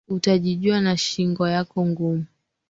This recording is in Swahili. Utajijua na shingo yako ngumu